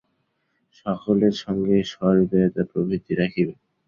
সকলের সঙ্গে সহৃদয়তা প্রভৃতি রাখিবে।